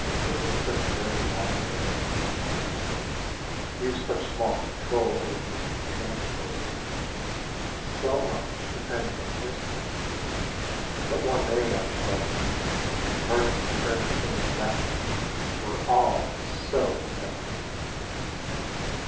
It seems such a very long way off, you have such small control over the means of transport, and so much depends on hearsay, that one may, I trust, be pardoned for entertaining doubt where all is so indefinite.